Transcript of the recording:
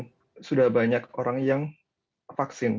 karena sudah banyak orang yang vaksin